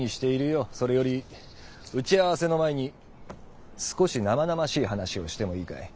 それより打ち合わせの前に少しナマナマしい話をしてもいいかい？